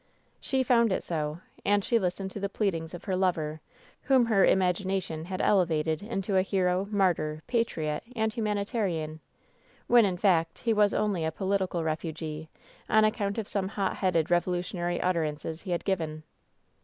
"She found it so ; and she listened to the pleadings of her lover, whom her imagination had elevated into a hero, martyr, patriot and humanitarian, when, in fact, he was only a political refugee, on account of some hot headed revolutionary utterances he had given."